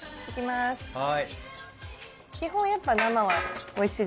はい。